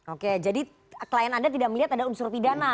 oke jadi klien anda tidak melihat ada unsur pidana